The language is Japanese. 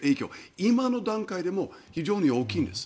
今の段階でも非常に大きいんです。